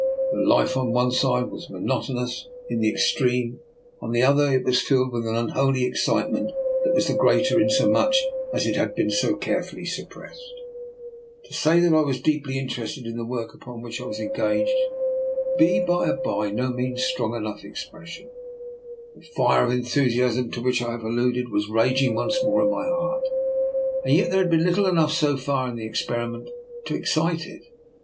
The life on one side was monotonous in the extreme; on the other it was filled with an unholy excite ment that was the greater inasmuch as it had to be so carefully suppressed. To say that I was deeply interested in the work upon which I was engaged would be a by no means strong 192 DR. NIKOLA'S EXPERIMENT. enough expression. The fire of enthusiasm, to which I have before alluded, was raging once more in my heart, and yet there bad been little enough so far in the experiment to ex cite it.